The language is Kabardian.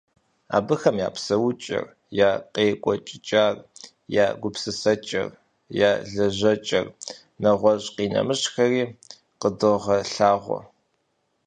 Абыхэм я псэукӀэр, я къекӀуэкӀыкӀар, я гупысэкӀэр, я лэжьэкӀэр, нэгъуэщӀ-къинэмыщӀхэр къыдогъэлъэгъуэ.